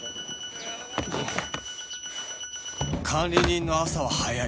管理人の朝は早い